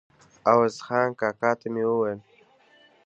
عوض خان کاکا ته مې وویل.